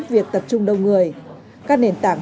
việc tập trung đông người các nền tảng